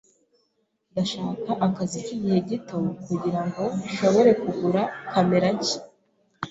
Ndashaka akazi k'igihe gito kugirango nshobore kugura kamera nshya.